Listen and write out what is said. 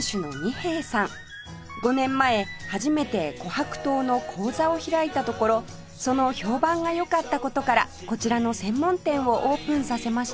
５年前初めて琥珀糖の講座を開いたところその評判がよかった事からこちらの専門店をオープンさせました